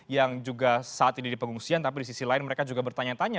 yang juga saat ini di pengungsian tapi di sisi lain mereka juga bertanya tanya